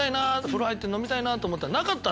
風呂入って飲みたいな！と思ったら。